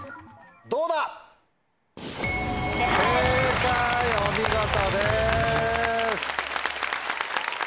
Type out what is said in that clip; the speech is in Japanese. どうだ⁉正解お見事です。